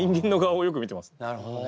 なるほどね。